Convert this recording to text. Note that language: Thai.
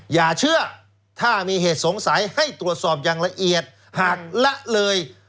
อย่าเชื่อถ้ามีเหตุสงสัยให้ตรวจสอบอย่างละเอียดหากละเลย